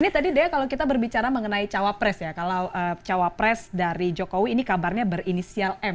ini tadi dea kalau kita berbicara mengenai cawapres ya kalau cawapres dari jokowi ini kabarnya berinisial m